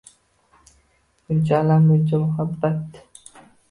Buncha alam, buncha muhabbat…